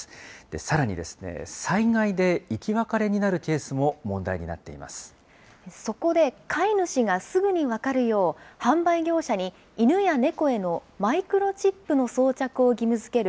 さらにですね、災害で生き別れにそこで、飼い主がすぐに分かるよう、販売業者に犬や猫へのマイクロチップの装着を義務づける